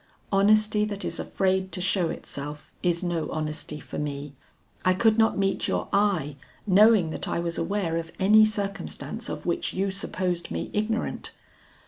Honesty that is afraid to show itself, is no honesty for me. I could not meet your eye, knowing that I was aware of any circumstance of which you supposed me ignorant.